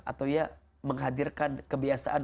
atau menghadirkan kebiasaan